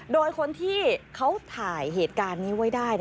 โดยคนที่เขาถ่ายเหตุการณ์นี้ไว้ได้